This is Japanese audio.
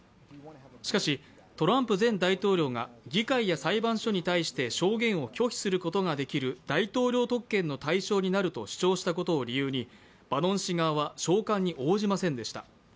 しかし、トランプ前大統領が議会や裁判所に対して証言を拒否することができる大統領特権の対象になると主張したことを理由にバノン氏側は召喚に応じませんでした。